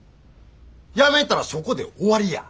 やめたらそこで終わりや。